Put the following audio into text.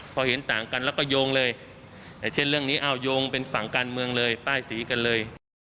พอเห็นต่างกันแล้วก็โยงเลยเช่นเรื่องนี้อ้าวโยงเป็นฝั่งการเมืองเลยป้ายสีกันเลย